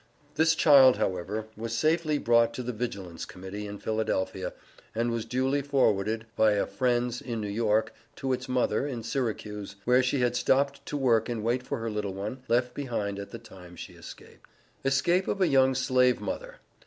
This child, however, was safely brought to the Vigilance Committee, in Philadelphia, and was duly forwarded, viâ friends in New York, to its mother, in Syracuse, where she had stopped to work and wait for her little one, left behind at the time she escaped. ESCAPE OF A YOUNG SLAVE MOTHER.